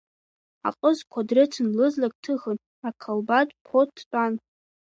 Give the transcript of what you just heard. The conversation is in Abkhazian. Аҟызқәа дрыцын лызлак ҭыхын, ақалԥад ԥо дтәан.